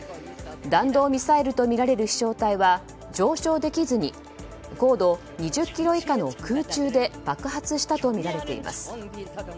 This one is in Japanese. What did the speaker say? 弾道ミサイルとみられる飛翔体は上昇できずに高度２０ｋｍ以下の空中で爆発したとみられています。